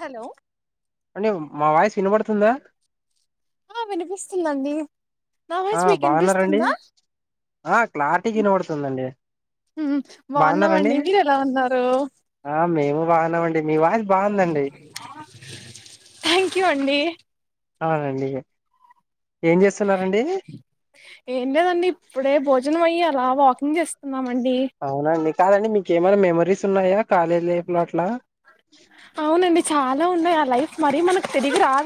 Hello ప్పండి మా voice వినబడుతుందా హా వినిపిస్తుంది అండి ఆ బాగున్నారండి ఆ క్లారిటీగా ఇనవడుతుందండి మ్ బాగున్నారండి బాగున్నామండి మీరు ఎలా ఉన్నారు ఆ మేము బాగున్నామండి మీ వాయిస్ బాగుందండి థ్యాంక్ యూ అండి అవునండి ఏం చేస్తున్నారండి ఎంలెదండి ఇపుడే భోజ జనం అయ్యి అలా వాకింగ్ జేస్తు న్నమండి కదండి మీకెమన్నా మెమోరీస్ ఉన్నాయా కాలేజ్ లైఫ్ లో అట్లా అవునండి చాలా ఉన్నాయి ఆ లైఫ్ మరి మనకు తిరిగి రాద్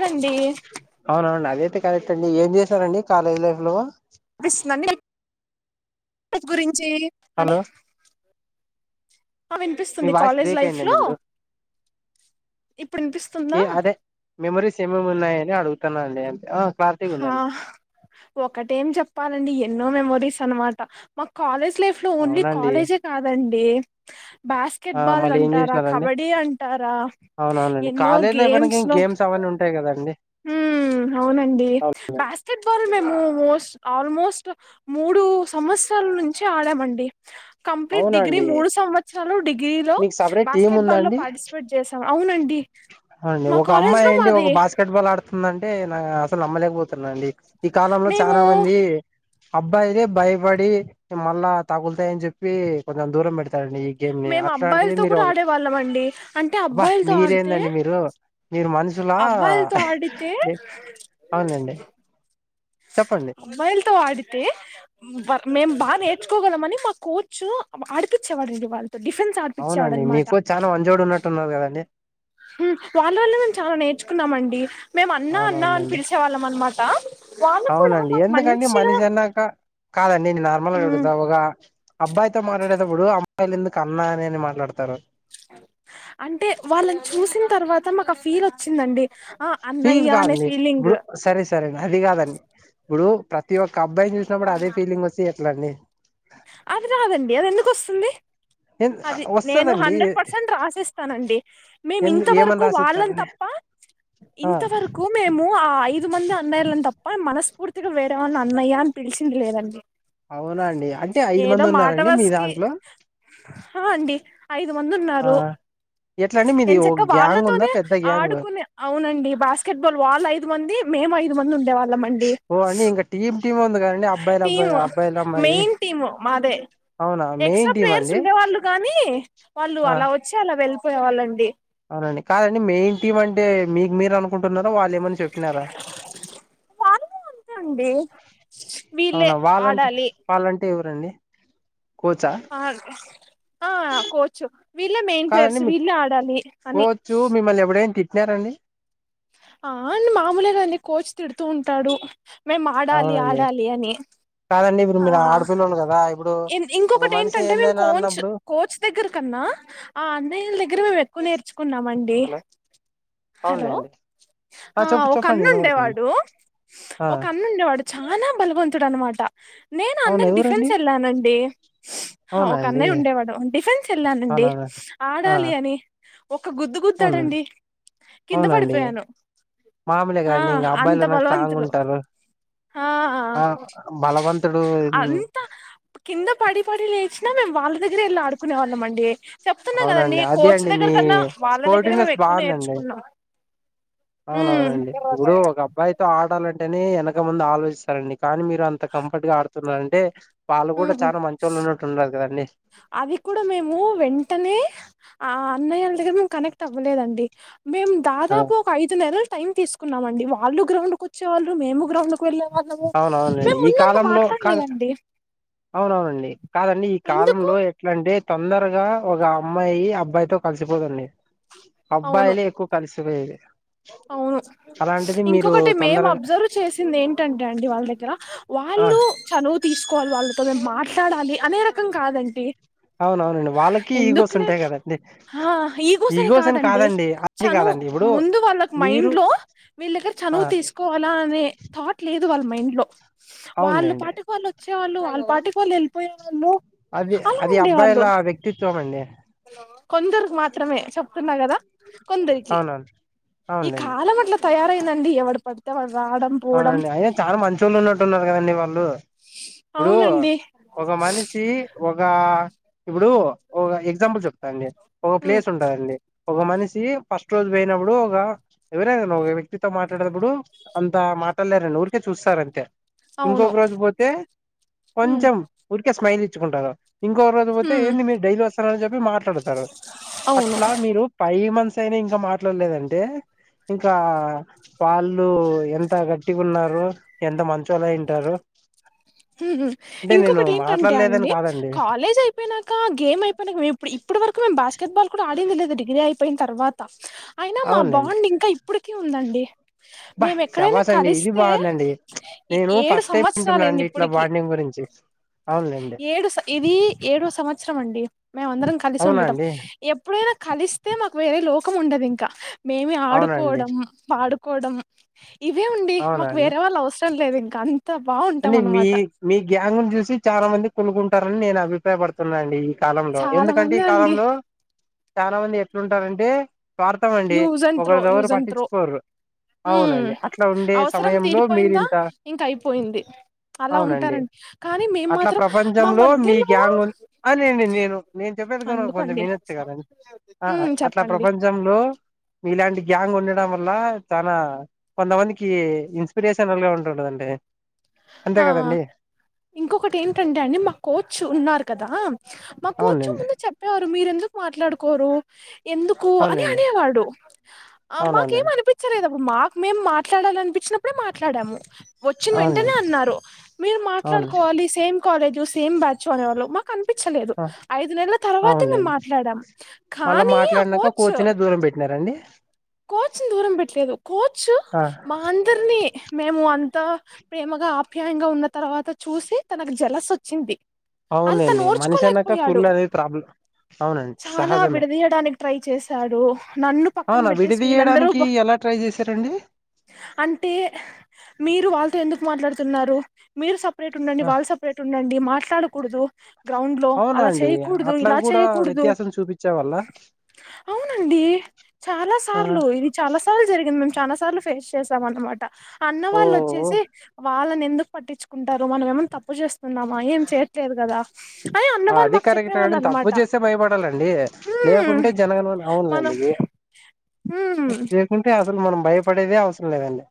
అవునవునండి ఆదైతే కరెక్ట్ అండి ఏం చేశారండీ కాలేజ్ లైఫ్ లొ పిస్ [unintelligible] దండి గురింన్ ఛీ అని హలో మీ వాస్ బ్రేక్ లైఫ్ అయిందండి లో ఇప్పుడు ఇప్పుడు వినిపిస్తుందా అదే మెమొరీస్ ఏమేమి ఉన్నాయని అడుగు స్థానండి ఆ ఒకటేం చెప్పాలండి ఎన్నో మెమొరీస్ న్నమాట మా కాలేజ్ లైఫ్ లో ఓన్లీ అవునండి కాలేజే ఏ కాదం డి ఆ బాస్కెట్బాల్ మళ్ళీ ఏం అంటారా చేసినారండి కబడ్డీ అంటారా అవునవునండి ఎన్నో కాలేజ్ లైఫ్ గేమ్స్ అనగా లో అవన్నీ ఉంటాయి కదండి హు అవునండి బాస్కెట్ బాల్ మేము మోస్ట్ ఆల్మోస్ట్ మూడు సంవత్సరాల నుంచి ఆడామండి కంప్లీట్ అవునా డిగ్రీ అండి మూడు సంవత్సరాలు డిగ్రీలో మీకు సపరేట్ టీం బాస్కెట్బాల్ లో ఉందండి పార్టిసిపేట్ చేశా అవునండి అవునండి మా ఒక కాలేజ్ అమ్మాయి లో అయి ఉండి ఒక మాది బాస్కెట్ బాల్ ఆడుతుందంటే అసలు నమ్మలేకపో అండి ఈ కాలంలో మేము చాలా మంది అబ్బాయితే భయపడి, మళ్ళా తగులుతాయని చెప్పి, కొంచెం దూరం పెడుత్ మేము అబ్బాయిలతో కూడా ఆడే ఆడవాళ్ళమండి, అంటే అబ్బా అబ్బాయిలతో ఆడితే మీరేందండి మీరు మీరు మనుషులా, అబ్బాయిలతో ఆడితే అవునలేండి అబ్బాయిలతో ఆడితే వర్ మేం బా నేర్చుకోగలమని మా కోర్చ్, ఆడిపిచ్చేవాడండి. వాళ్ళు అవునండి మీకు చాలా వంజోడు ఉన్నట్టు ఉన్నారు కదండి. వాళ్ళ వల్ల మేము చాలా నేర్చుకున్నామండి, మేము అన్నా అన్నా అని అవునవునండి పిలిచేవాళ్ళం. మన్ మాట అవునండి ఎందుకండి మనిషి అన్నాక, కాదండి నేను నార్మల్గా అడుగుతా ఒగ అబ్బాయితో మాట్లాడేటప్పుడు, అమ్మాయిలు ఎందుకు అన్నా అని అని మాట్లాడతారు? అంటే వాళ్ళని చూసిన తర్వాత మాకు ఫీల్ వచ్చిందండి. ఆ ఫీజ్ అన్నయ్య అనే కాదండి ఫీలింగ్ ఇప్పుడు సరే సరే అది కాదండి. ఇప్పుడు ప్ర అండి అది రాదండి అది ఎందుకు వస్తుంది, అది నేను వస్తదండి హండ్రెడ్ పర్సెంట్ రాసిస్తానండి. మేము ఎ ఏమని ఇంతవరకు వాళ్ళని రాసిస్తారండి తప్ప, ఆ ఇంత వరకు మేము ఆ ఐదు వంది అన్నయలను తప్ప, మనస్ఫూర్తిగా వేరే వాళ్లని అ అన్నయ్య అని పిలిచింది లేదండి. అవునా అండి, అంటే ఐదు ఏదో మంది మాట ఉన్నారండి మీ వరసకి దాంట్లో? ఆ అండి ఐదు మంది ఆ ఉన్నారు. ఎట్లా అండి మీది ఎం ఓ చక్క గ్యాంగ్ ఉందా వాళ్ళతోనే పెద్ద గ్యాంగ్ ఆడుకునే, అవునండి. బాస్కెట్బాల్ వాళ్ళు ఐదు మంది మేము ఐదు మంది ఉండేవ లమండి ఓ అండి ఇంకా టీమ్ టీమ్ ఉంది కదండి అబ్బాయిలు అబ్బాయి టీము, అబ్బాయిలు అమ్మాయిది మెయిన్ టీము మాదే. అవునా ఎక్స్ట్రా మెయిన్ టీమ్ ప్లేయర్స్ అండి ఉండే వాళ్ళు కాని వాళ్ళు ఆ అలా వచ్చి అలా వెళ్ పోయేవాళ్ళండి అవునండి కాదండి మెయిన్ టీమ్ అంటే మీకు మీరు అనుకుంటున్నార, వాళ్ళు లే మన్న చెప్పినారా, వాళ్ళు అంతే అండి వీళ్ళే అవునా వాళ్లంటే, ఆడాలి వాళ్లంటే ఎవరు రండి అ ఆ కోచు వీళ్ళే మెయిన్ కాదండి పేర్స్, మీ వీళ్ళే ఆడాలి అని. టారండి ఆ అ మామూలేగాని కోచ్ తిడుతూ ఉంటాడు మేము ఆడాలి అవునండి ఆడాలి అని కాదండి ఇప్పుడు ఆ మీరు ఆడపిల్లలు కదా ఇప్పుడు ఒక ఇంకొకటి మనిషి ఏంటంటే మేము ఏందైనా కోచ్ అన్నప్పుడు కోచ్ దగ్గర కన్నా ఆ అన్నయ్యల దగ్గర మేము ఎక్కువ నేర్చుకున్నామండి హలో హలో అవునులేండి ఆ చెప్పు ఒక చెప్పండి అన్న వినబడుతుంది ఉండేవాడు ఆ ఒకన్న ఉండేవాడు చాలా బలవంతు తుడాన్న మాట నేను అవునా అన్నని డిఫెన్స్ ఎవరండి వెళ్ళానండి అవునా ఒక అండి అన్నయ్య ఉండేవాడు డిఫెన్స్ వెళ్ళానండి అవునవును ఆ ఆడాలి అని ఒక్క గుద్దు అవునండి గుద్దాడండి కింద అవునండి పడిపోయాను మామూలే ఆ కదండి ఇంకా అంత అబ్బాయిలు ఉన్న స్ట్రాంగ్ బలవంతులు ఉంటారు ఆ ఆ బలవంతుడు అంత కింద పడి పడి లేచిన మేము వాళ్ళ దగ్గరేళ్ళి ఆడుకునేవాళ్ళం అండి చెప్తున్నా కదండి అవునండి అదే కోచ్ అండి దగ్గర మీ కన్నా వాళ్ళ దగ్గరే స్పోర్టివ్నెస్ మేము ఎక్కువ బాగుందండి నేర్చుకున్నాం ఉమ్ అవునవునండి ఇప్పుడు ఒక అబ్బాయితో ఆడాలంటే అని వెనక ముందు ఆలోచిస్తారండి కానీ మీరు అంత కంఫర్ట్ గా ఆడు స్తున్నాంటే వాళ్ళ కూడా చాలా మంచోళ్లు ఉన్నట్టు ఉన్నారు కదండి అది కూడా మేము వెంటనే ఆ అన్నయ్యల దగ్గర మేము కనెక్ట్ అవ్వలేదండి మేం దాదాపు ఒక ఐదు నెలలు టైమ్ తీసుకున్నాండి వాళ్ళు గ్రౌండ్ కు వచ్చే వాళ్ళ మేము గ్రౌండ్కి వెళ్ళాము అవునవునండి మేము ఈ ముందంత కాలంలో కాదు మాట్లాడలేదండి అవునవునండి కాదండి ఎందుకు కాలంలో ఎట్లా అంటే తొందరగా ఒక అమ్మాయి అబ్బాయితో కలిసిపోదండి అవును అబ్బాయిలే ఎక్కువ కలిసి చుభే ఇతే అవును ఇంకొకటి మేము తొందరగా అబ్జర్వ్ చేసింది ఏంటంటే అండి వాళ్ళ దగ్గర ఆ వాళ్ళు చనువు తీసుకోవాలి వాళ్ళ మాట్లాడాలి అనే రకం కాదండి అవునవునండి వాళ్ళకి ఈగోస్ ఎందుకుల్లే ఉంటాయి కదండి ఈగోస్ అని కాదండి చను ముందు వాళ్ళ మీరు మైండ్ లో వీళ్ళ దగ్గర ఆ చనువు తీసుకోవాలా అనే థాట్ లే దు వాళ్ళ మైండ్ లో వాళ్ళు అవునులేండి పాటిక వాళ్ళు వచ్చేవాళ్ళు వాళ్ళు పాటి వాళ్ళు వెళిపోయేవాళ్ళు అది అది అబ్బాయిల వ్యక్తిత్వం అండి కొందరుకి మాత్రమే చెప్తున్న కద కొందరికి అవునవును ఈ అవునులేండి కాలం అట్ల తయారయిందండి ఎవడు పడితే వాడు రావడం పోవడం అవునండి అయిన చాలా మంచొళ్లు ఉన్నట్టు ఉన్నారు కదండి వాళ్ళు ఇప్పుడు అవునండి ఒక మనిసీ వగా ఇప్పుడు ఒగ ఎగ్జాంపుల్ చెప్తాండి ఒక హ్మ్ ప్లేస్ ఉంటదండి ఒక మనిషి ఫస్ట్ రోజు పోయినప్పుడు ఒగ ఎవరై గని తో మాట్లాడేతబుడు అంత మాట్లాలేరండి ఊరికే చూస్తర్ అంతే అవును ఇంకొక రోజు పోతే హ్మ్ కొంచం కె స్మైల్ ఇచ్చుకుంటారు ఇంకో రోజు పోతే హ్మ్ ఏంది మీరు డైలీ వస్త చెప్పి మాట్ల ట్లాడతరు అవును అట్లా మీరు ఫైవ్ మంత్స్ యినా ఇంకా మాట్లాడలేదంటే ఇంకా వాళ్ళు ఎంత గట్టిగున్నారో ఎంత మం చొల్లు అయ్యుంటారో ఇంకొకటి ఏంటంటే అండి కాదండి కాలేజ్ అయిపోయినాక గేమ్ అయిపోయినాక మేము ఇప్పుడు ఇప్పుడు వరకు మేం బాస్ కేట్ బల్ కూడా ఆడింది లేద డిగిరి పోయిన తర్వాత అయినా మా అవునులేండి బాండ్ ఇంక ఇప్పుటిక ఉందండి బా మేం ఎక్కడైనా శబాస్ అండి ఇది కలిస్తే బాగుందండి నేను ఏడు ఫస్ట్ టైం వింటున్నా సంవత్సరలుయింది అండి ఇట్లా ఇప్పుడుకి బాండింగ్ గురించి అవునులేండి ఏడు ఇది ఏడో సంవత్సరం అండి మేమ అందరం కలిసి అవునా ఉండటం అండి ఎ ఎప్పుడైనా కలిస్తే మాకు వేరే లోకం ఉండదు ఇంక మేమే అవునండి ఆడుకోవడం పడు కొడం ఇవే ఉండి అవునా మాకు అండి వేరే వాళ్ళు అవస లేదు ఇంక ఆన్ త బావుంటాం అంటే మీ అనమాట మీ గ్యాంగ్ ను చూసి చాలా మంది కుళ్ళుకుంటారని నేను అభిప్రాయ పడుతున్నా అండి ఈ కాలంలో చాలా ఎందుకంటే మంది ఈ అండి కాలంలో చాలా మంది ఎట్లుంటారంటే స్వార్థం అండి యూజ్ అండ్ త్రో ఒకరి దెవరు యూజ్ అండ్ త్రో పట్టించుకోరురు ఉమ్ అవునండి అట్లా ఉండే అవసరం సమయంలో తీరిపోయిందా మీరింత ఇంక అయిపోయింది అలా అవునండి ఉంటారండి కానీ మేము అట్లా మాత్రం మా ప్రపంచంలో మధ్యలో మీకు యాంగ్ ఉ అనిండి నేను నేను చెప్పేదికున్నా కొంచెం అందుకండి విినచ్చగద ఉమ్ అట్లా చెప్పండి ప్రపంచంలో మీలాంటి గ్యాంగ్ ఉండడం వల్ల చాలా కొంతమందికి ఇన్స్పిరేషనల్ గా ఉంటుండదండి అంతే ఆ కదండి ఇంకొకటి ఏంటంటే అండి మా కోచ్ ఉన్నారు కదా మా కూర్చం అవునులేండి ముందు చెప్పేవాళ్ళ మీర ఎందుకు మాట్లాడుకోరు ఎందుకు అని అవునులేండి అనేవాడు మాకేం అవునవునండి అనిపించలేదు మాకు మేం మాట్లాడాల అనిపించినప్పుడే మాట్లాడాము వచ్చిన వెంట అంట అవునులేండి అన్నారు మీరు అవునులేండి మాట్లాడుకోవాలి సేమ్ కాలజ సేమ్ బచ్నే వాళ కనిపించలేదు ఐదు నెలల తర్వాతే మేము అవునులేండి మాట్లాడాం మళ్ళా కానీ ఆ మాట్లాడినాక కోచ్ కోచ్నే దూరం పెట్టినారండి కోచ్ ని దూరం పెట్టలేదు కోచ్ మా అందరినీ మేము అ అంత ప్రేమగా ఆప్యాయంగా ఉన్న తర్వాత చూసి తనకు జలస్ వచ్చింది అది తను అవునులేండి మనిషి అన్నాక ఓర్చుకోలేకపోయాడు కుళ్ళు అనేది ప్రాబ్లం అవునండి చాలా సహజమే విడదీయడానికి ట్రై చేశాడు నన్ను పక్కన పెట్టి విది చేయడానికి ఎలా ట్రై చేశారండి అంటే మీరు వాళ్ళతో ఎందుకు మాట్లాడుతున్నారు మీరు స సప్రేట్ ఉండడి ఆ, వాళ్లు సప్రేట్ ఉండడి ఇది మాట్లాడకూడదు గ్రౌండ్ లో అవునా అలా అండి చేయకూడదు అట్లా ఇలా కూడా చేయకూడదు వ్యత్యాసం చూపించే వల్ల అవునండి చాలా ఆ సార్లు ఇది చాలా సార్లు జరిగిం చానా సార్లు ఫేస్ చేసాం అనమాట ఓ అన్నవాళ్ళు ఓ, వచ్చేసి వాళ్ళ నేందుకు పట్టించుకుంటారు మనం ఏమన్నా తప్పు చేస్ తున్నామ్మా ఏం చెయ్యట్లేదు కదా అని అన్న వాళ్ళు అది మాకు కరెక్టే చెప్పేవాళ్ళు తప్పు అన్నమాట చేస్తే భయపడాలండి హ్మ్, లేకుంటే జనగణమన అవునులేండి మనం ఎ హ్మ్ బెకుంటే అసలు మనం భయపడేదే అవసరం లేదండి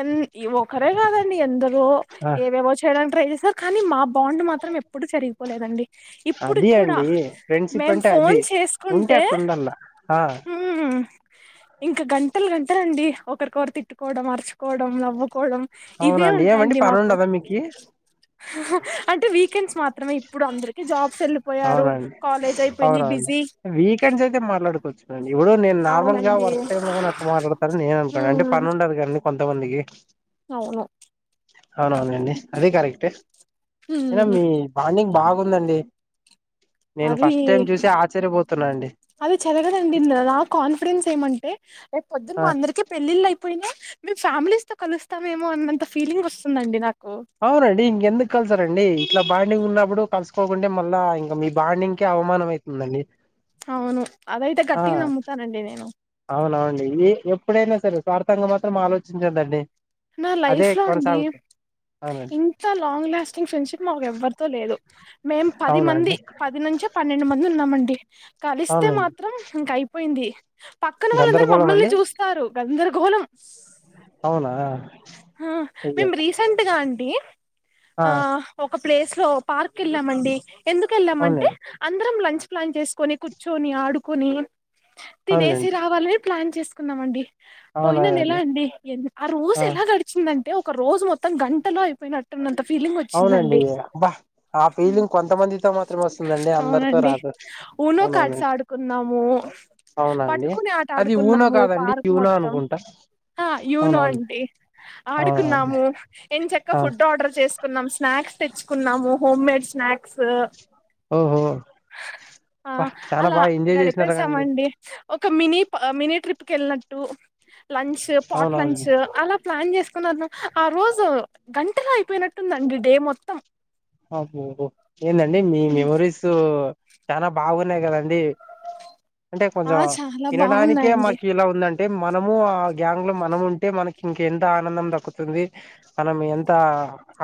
ఎన్ ఒకరే కాదండి ఎందరో ఆ ఏవేవో చేయడానికి ట్రై చేశారు కానీ మా బాండ్ మాత్రం ఎప్పుడు చెరిగి పోలేదండి ఇప్పుడు అది కూడా అండి ఫ్రెండ్షిప్ మేం అంటే అది ఫోన్ ఉంటే చేసుకుంటే అట్లా ఉండల్లా ఆ హ్మ్ ఇంకా గంటలు గంటలండి ఒకరికొరు తిట్టు కోడం అర్చుకోడం నవ్వు అవునాండి ఏమండి పనిఉండదా మీకి అంటే వీకెండ్స్ మాత్రమే ఇప్పుడు అందరికి జాబ్స్ వెళ్ళిపోయారు అవునాండి కాలేజ్ అయిపోయింది అవునాండి అవనవులే బిజీ వీకెండ్స్ అయితే మాట్లాడుకోవచ్చుకదండి ఇప్పుడు నేను నార్మల్ గా అవునండి వర్క్ టైమ్లోగిన అట్లా మాట్లాడతారని నేనంటాను అంటే హ్మ్ పని ఉండదు కదాని కొంతమందికి అవును అవునవునులెండ్డి అది కరెక్టే ఐన హ్మ్ మీ బాండింగ్ బాగ గుందండి అది అండి అది చెరగదండి నా కాన్ఫిడెన్స్ ఏమంటే రేపు పొద్దు ఆ మా అందరికీ పెళ్ళిళ్ళు అయిపోయినా మేము ఫ్యామిలీస్ తో కలుస్తామేమో అన్నంత ఫీలింగ్ వస్తుందండి నాకు అవునండి ఇంకెందుకు కల్సరండీ ఇట్లా బాండింగ్ ఉన్నప్పుడు‌ కలుసుకోకుంటే మళ్ళా ఇంకా మీ బాండింగ్ కే అవమానం అవుతుందండి అవును అదైతే గట్టిగ నమ్ముతానండి నేను అవునఅండి ఏ ఎప్పుడైనా సరే స్వార్థంగా మాత్రం ఆలోచించొద్దండి నా లైఫ్లో అండి అవునండి ఇంత లాంగ్ లాస్టింగ్ ఫ్రెండ్షిప్ మాకు ఎవ్వరితో లేదు మేము పది అవునా మంది అండి పది నుంచి పన్నెండు మంది ఉ న్నామండి కలిస్తే అవునండి మాత్రం ఇంక అయిపోయింది పక్కన వాళ్ళందరుూ గందరగోళం మమ్మల్ నే అండి చూస్తారు గంధర్ గో లం అవునా ఆ అయ్యో మేము రీసెంట్ గా అం డి ఆ ఒక ప్లేస్ లో పార్క్ వెళ్ళామండి ఎందుకు వెళ్ళామంటే అవునండి అందరం లంచ్ ప్లాన్ చేసుకొని కూర్చొని ఆడుకుని తినేసి అవునండి రావాలే ప్లాన్ చేసుకున్నామండి పోయినా నెల అవునవునండి అండి ఎ ఆ రోజ్ చిందంటే ఒక రోజు మొత్తం గంటలో అయిపోయినట్టునంత ఫిలింగ్ అవునండి వచ్చిందండి అబ్బా ఆ ఫీలింగ్ కొంతమందితో మాత్రమే వస్తుందండి అందరితో అవునండి రాదు ఊనో కట్స్ అవునవునండి ఆడుకున్నాము అవునండి పట్టుకుని ఆట అది ఊనో ఆడుకున్నాము కాదండి పార్క్ యూనో మొత్తం అనుకుంటా ఆ యూనో అవునవును అంటే అవునవును ఆడుకున్నాము ఎం చక్క అవును ఫుడ్ ఆర్డర్ చేసుకున్నాం స్నాక్స్ తెచ్చుకున్నాము హోమ్ మేడ్ స్నాక్స్ ఓహో అబ్బా చాలా అలా బాగా ఎంజాయ్ చేసినారండి గడిపేేశామండి ఒక మినీ మినీ ట్రిప్ క వెళ్ళినట్టు లంఛ్ పాట్ అవునవును లంచ అలా ప్లాన్ చేసుకున్నారు ఆ రోజు గంటలు అయిపోయినట్టుందండి డే మొత్తం అహోహో ఏందండి మీ మెమరీస్ చాలా బాగున్నాయి కదండి అంటే ఆ కొంచెం చాలా వినడానికే బాగుందండి మాకు ఇలా ఉందండి అంటే మనము ఆ గ్యాంగ్ లో మనము ఉంటే మనకి ఇంక ఎంత ఆనందం దక్కుతుంది మనం ఎంత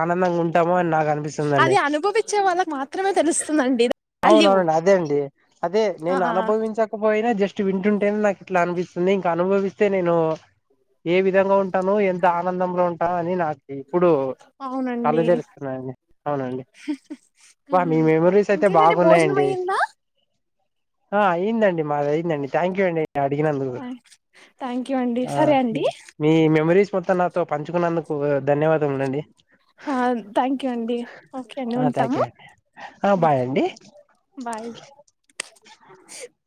ఆనందంగా ఉంటామో అని నాకు ం అది అనుభవించే వాళ్ళకి మాత్రమే తెలుస్తుందండి వాల్యూ అవునవునండి అదే అండి అదే ఆ నేను అనుభవించకపోయినా జస్ట్ వింటుంటేనే నాకు ఇట్లా అనిపిస్తుంది ఇంక అనుభవిస్తే నేను ఏ విధంగా ఉ ను ఎంత ఆనందంలో ఉంటాం అని నాకు ఇప్పుడు అవునండి తలుదరుస్తున్నాని అవునండి బ మీ మెమరీస్ అయితే ఇంకేంటండి భోజనం బాగున్నాయంండి అయ్యిందా ఆ ఇందండి మాది అయిందండి థ్యాంక్ యూ అండి నే అడిగినందుకు థ్యాంక్ యూ అండి సరే అండి మీ మెమరీస్ మొత్తం నా తో పంచుకున్నందుకు ధన్యవాదములు అండి ఓకే అండి ఓకే అండి ఆ థ్యాంక్ ఉంటాము యూ అండి ఆ బాయ్ అండి బాయ్